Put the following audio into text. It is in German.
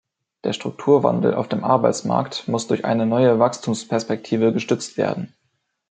Der Strukturwandel auf dem Arbeitsmarkt muss durch eine neue Wachstumsperspektive gestützt werden.